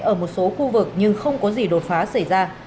ở một số khu vực nhưng không có gì đột phá xảy ra